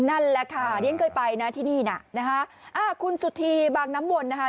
นั่นแหละค่ะเดี๋ยวนี้เคยไปนะที่นี่นะคุณสุธีบางน้ำวนนะฮะ